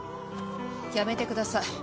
やめてください。